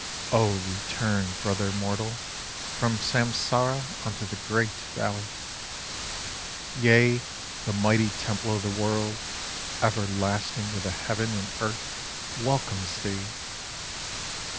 O return, brother mortal, from Samsara unto the great Valley ! Yea, the mighty Temple of the World, everlasting with the heaven and earth, welcomes thee